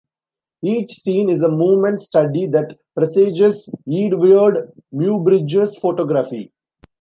Each scene is a movement study that presages Eadweard Muybridge's photography.